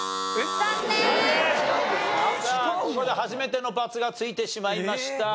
さあここで初めてのバツがついてしまいました。